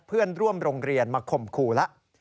เพื่อนร่วมโรงเรียนมาข่มขู่แล้ว